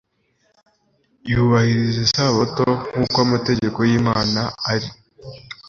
yubahiriza isabato nk'uko amategeko y'Imana ari.